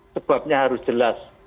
sebabnya harus jelas